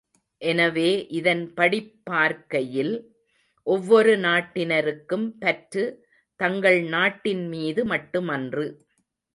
எனவே இதன்படிப் பார்க்கையில் ஒவ்வொரு நாட்டினருக்கும் பற்று தங்கள் நாட்டின் மீது மட்டுமன்று!